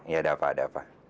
ya udah apa ada apa